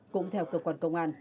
cũng theo cơ quan công an